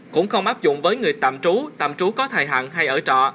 cũng không áp dụng với người tạm trú tạm trú có thời hạn hay ở trọ